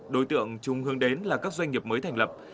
đối tượng trung hướng đến là các doanh nghiệp mới thành lập